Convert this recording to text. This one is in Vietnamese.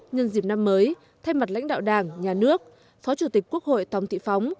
nhân dịp năm mới thay mặt lãnh đạo đảng nhà nước phó chủ tịch quốc hội tòng thị phóng